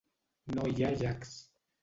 No hi ha llacs.